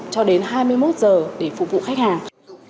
cho đến hai mươi một giờ để phục vụ khách hàng